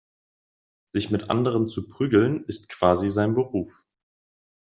Sich mit anderen zu prügeln, ist quasi sein Beruf.